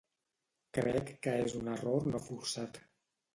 Crec que és un error no forçat.